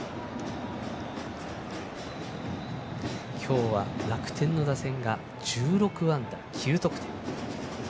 今日は楽天の打線が１６安打９得点。